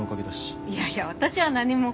いやいや私は何も。